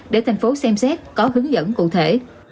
để thành phố xem xét có hướng dẫn cụ thể